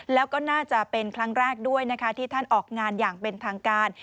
แล้วก็น่าจะเป็นครั้งแรกด้วยนะคะที่ท่านออกงานอย่างเป็นทางการ